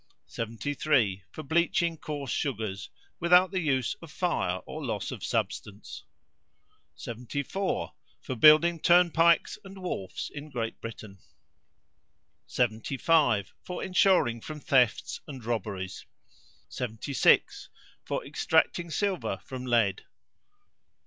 73. For bleaching coarse sugars, without the use of fire or loss of substance. 74. For building turnpikes and wharfs in Great Britain. 75. For insuring from thefts and robberies. 76. For extracting silver from lead.